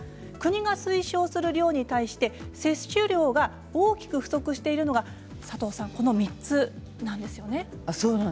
国が推奨する量に対して摂取量が大きく不足しているのが佐藤さん、この３つなんですよね。